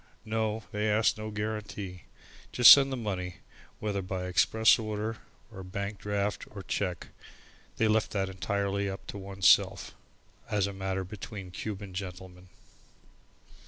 No, they asked no guarantee. Just send the money whether by express order or by bank draft or cheque, they left that entirely to oneself, as a matter between Cuban gentlemen.